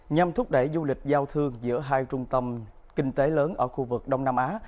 nhằm thúc đẩy du lịch giao thương giữa hai trung tâm kinh tế lớn ở khu vực đông nam á